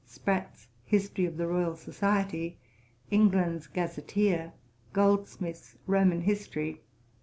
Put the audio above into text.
Sprat's History of the Royal Society. England's Gazetteer. Goldsmith's Roman History.